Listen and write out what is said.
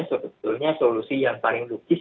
sebetulnya solusi yang paling lukis